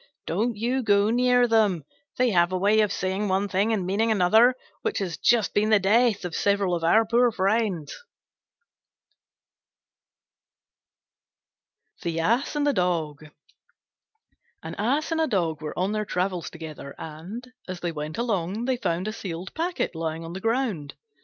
Don't you go near them. They have a way of saying one thing and meaning another which has just been the death of several of our poor friends." THE ASS AND THE DOG An Ass and a Dog were on their travels together, and, as they went along, they found a sealed packet lying on the ground.